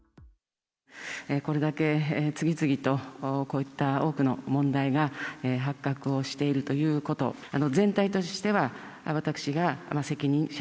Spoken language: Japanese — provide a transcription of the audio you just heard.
これだけ次々とこういった多くの問題が発覚をしているということ、全体としては、私が責任者。